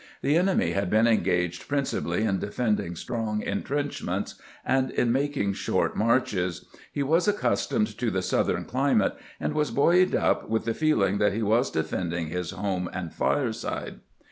The enemy had been engaged principally in defending strong intrenehments and in making short marches; he "was accustomed to the Southern climate, and was buoyed up with the feeling that he was defending his home and fireside.